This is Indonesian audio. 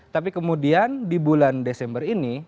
tapi kemudian di bulan desember ini